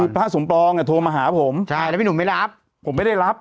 คือพระสมปองอ่ะโทรมาหาผมใช่แล้วพี่หนุ่มไม่รับผมไม่ได้รับ